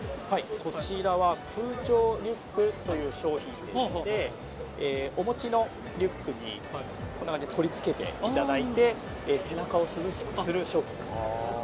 こちらは空調リュックという商品でして、お持ちのリュックに、こんな感じで取り付けていただいて、背中を涼しくする商品になっています。